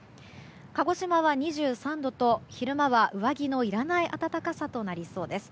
鹿児島は２３度と昼間は上着のいらない暖かさとなりそうです。